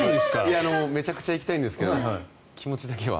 めちゃくちゃ行きたいんですけど気持ちだけは。